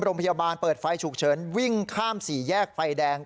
โรงพยาบาลเปิดไฟฉุกเฉินวิ่งข้ามสี่แยกไฟแดง